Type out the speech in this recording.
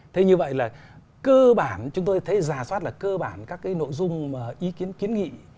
thế như vậy là cơ bản chúng tôi thấy giả soát là cơ bản các cái nội dung ý kiến kiến nghị